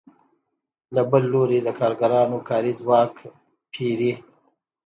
له بل لوري د کارګرانو کاري ځواک پېري